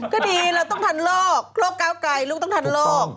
ก็ดีเราต้องทันลอกโลกก้าวไกลลูกต้องทันลอก